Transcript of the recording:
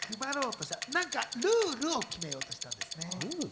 何か、ルールを決めようとしたんです。